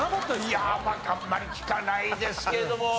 いやあんまり聞かないですけども。